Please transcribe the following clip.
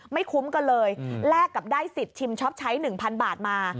ไม่คุ้มกันเลยแลกกับได้สิทธิ์ชิมช็อปใช้๑๐๐บาทมา